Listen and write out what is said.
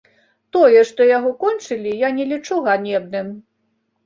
Тое, што яго кончылі, я не лічу ганебным.